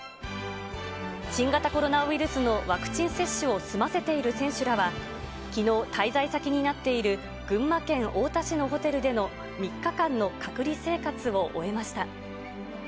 新型コロナウイルスのワクチン接種を済ませている選手らは、きのう、滞在先になっている群馬県太田市のホテルでの３日間の隔離生活を終えました。